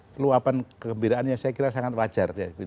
keluapan kegembiraannya saya kira sangat wajar